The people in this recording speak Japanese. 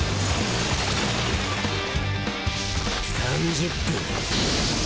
３０分？